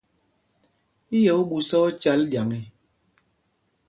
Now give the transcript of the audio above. I yɛ̄ ú ɓuu sá ócâl ɗyaŋ e ?